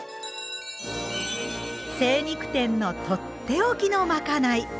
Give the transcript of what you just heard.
精肉店のとっておきのまかない。